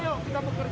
ayo kita bekerja